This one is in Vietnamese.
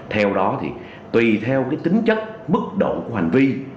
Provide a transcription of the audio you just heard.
theo đó thì tùy theo cái tính chất mức độ của hành vi